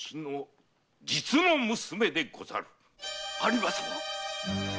有馬様！